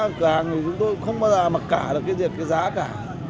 giá cửa hàng người chúng tôi không bao giờ mặc cả được cái giá cả